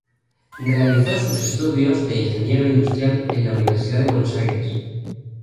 Realizó sus estudios de ingeniero industrial en al Universidad de Buenos Aires.